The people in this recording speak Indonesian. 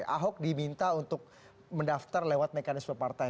ahok diminta untuk mendaftar lewat mekanisme partai